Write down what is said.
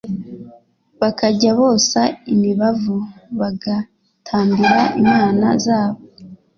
bakajya bosa imibavu, bagatambira imana zabo